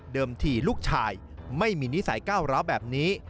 เดิมที่ลูกชายไม่มีนิสัยเก้าร้าแบบนี้